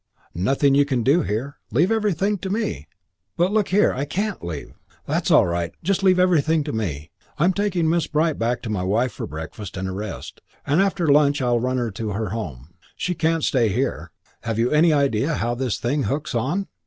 Nothing you can do here. Leave everything to me." "But, look here, I can't leave " "That's all right. Just leave everything to me. I'm taking Miss Bright back to my wife for breakfast and a rest. After lunch I'll run her to her home. She can't stay here. Have you any idea how this thing hooks on?"